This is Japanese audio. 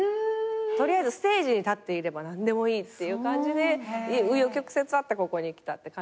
取りあえずステージに立っていれば何でもいいっていう感じで紆余曲折あってここに来たって感じだったけど。